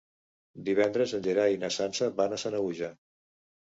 Divendres en Gerai i na Sança van a Sanaüja.